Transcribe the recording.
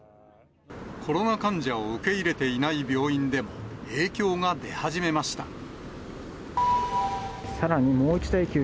コロナ患者を受け入れていない病院でも、影響が出始めました。